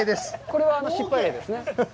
これは失敗例ですね。